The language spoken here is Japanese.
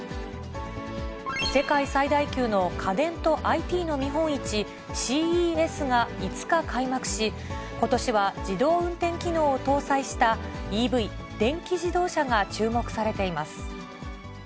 世界最大級の家電とＩＴの見本市、ＣＥＳが５日開幕し、ことしは自動運転機能を搭載したＥＶ・電気自動車が注目されています。